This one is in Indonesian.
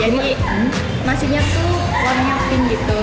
jadi nasinya tuh warnanya pink gitu